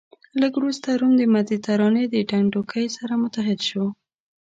لږ وروسته روم د مدترانې ډنډوکی سره متحد شو.